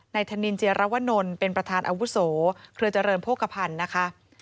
ธนินเจียรวนลเป็นประธานอาวุโสเครือเจริญโภคภัณฑ์นะคะ